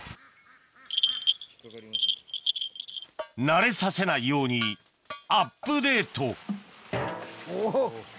慣れさせないようにアップデートおぉ。